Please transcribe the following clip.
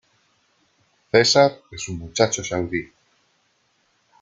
Cesar es un muchacho saudí.